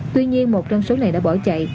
tuy nhiên một trong số này đã bỏ chạy